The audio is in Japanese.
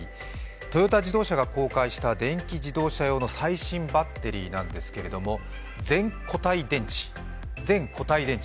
トヨタ自動車が公開した電気自動車用の最新バッテリーなんですけれども、全固体電池。